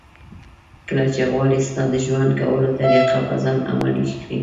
کله چې غواړي ستا د ژوند کولو طریقه په ځان عملي کړي.